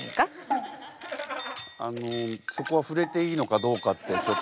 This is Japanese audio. あのそこは触れていいのかどうかってちょっと。